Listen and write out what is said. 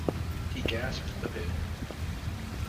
He gasped a bit.